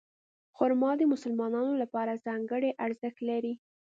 خرما د مسلمانانو لپاره ځانګړی ارزښت لري.